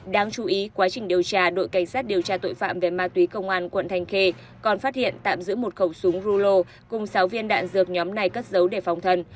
đáng chú ý quá trình điều tra đội cảnh sát điều tra tội phạm về ma túy công an quận thanh khê còn phát hiện tạm giữ một khẩu súng rulo cùng sáu viên đạn dược nhóm này cất dấu để phòng thân